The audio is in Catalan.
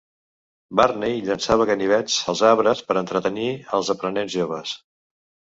Varney llançava ganivets als arbres per entretenir els aprenents joves.